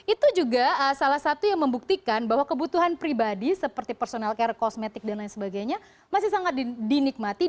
itu juga salah satu yang membuktikan bahwa kebutuhan pribadi seperti personal care kosmetik dan lain sebagainya masih sangat dinikmati